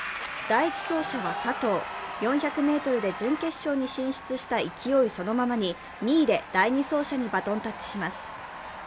第１走者は佐藤、４００ｍで準決勝に進出した勢いそのままに２位で第２走者にバトンタッチします。